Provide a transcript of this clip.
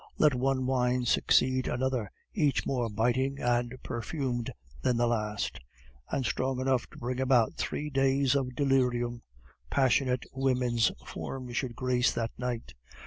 Let one wine succeed another, each more biting and perfumed than the last, and strong enough to bring about three days of delirium! Passionate women's forms should grace that night!